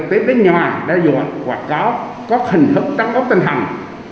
vì vậy hoạt động cho vay lãi nặng